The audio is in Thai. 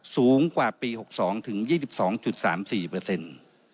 สูงกว่าปี๖๒ถึง๒๒๓๔เปอร์เซ็นต์